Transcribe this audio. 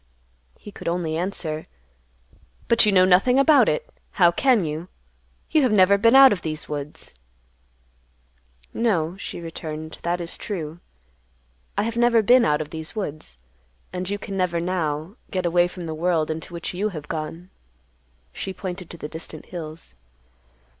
He could only answer, "But you know nothing about it. How can you? You have never been out of these woods." "No," she returned, "that is true; I have never been out of these woods, and you can never, now, get away from the world into which you have gone." She pointed to the distant hills.